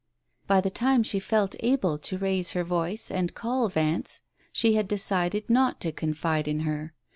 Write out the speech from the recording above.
By the time she felt able to raise her voice and call Vance she had decided not to confide in her.